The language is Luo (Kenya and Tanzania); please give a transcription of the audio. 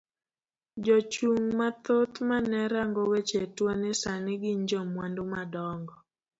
Jo chung mathoth mane rango weche tuo ni sani gin jomwandu madongo.